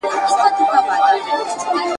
پل مي سم دی را اخیستی نښانه هغسي نه ده !.